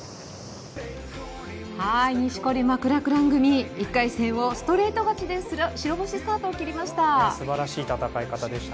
錦織・マクラクラン組１回戦をストレート勝ちで白星スタートを切りました。